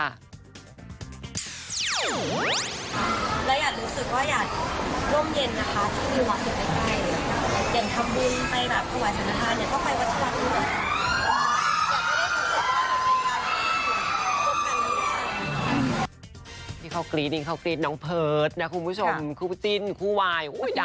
เราอยากรู้สึกว่าอยากร่มเย็นนะคะที่มีวัดอยู่ใกล้